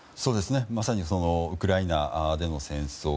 まさにウクライナでの戦争